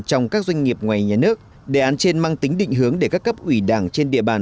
trong các doanh nghiệp ngoài nhà nước đề án trên mang tính định hướng để các cấp ủy đảng trên địa bàn